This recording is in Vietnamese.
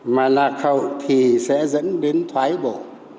mà lạc hậu thì sẽ dẫn đến thoái bộ